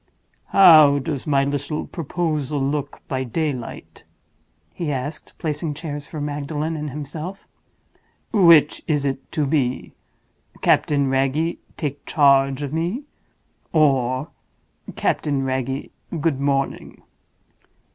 "How does my little proposal look by daylight?" he asked, placing chairs for Magdalen and himself. "Which is it to be: 'Captain Wragge, take charge of me?' or, 'Captain Wragge, good morning?